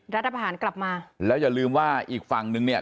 รัฐพาหารกลับมาแล้วอย่าลืมว่าอีกฝั่งนึงเนี่ย